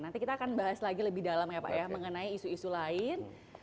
nanti kita akan bahas lagi lebih dalam ya pak ya mengenai isu isu lain